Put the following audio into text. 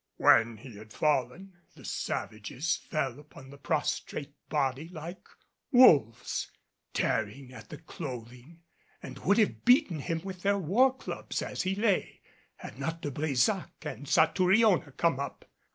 When he had fallen the savages fell upon the prostrate body like wolves, tearing at the clothing, and would have beaten him with their war clubs as he lay, had not De Brésac and Satouriona come up.